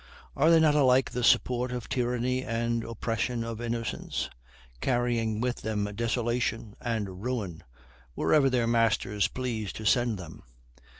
Are they not alike the support of tyranny and oppression of innocence, carrying with them desolation and ruin wherever their masters please to send them?